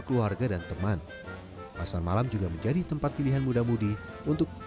keluarga dan teman pasar malam juga menjadi tempat pilihan muda mudi untuk